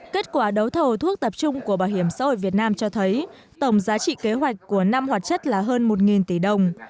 kết quả đấu thầu thuốc tập trung của bảo hiểm xã hội việt nam cho thấy tổng giá trị kế hoạch của năm hoạt chất là hơn một tỷ đồng